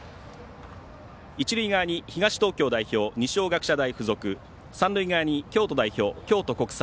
一塁側に東東京代表、二松学舎三塁側に京都代表、京都国際。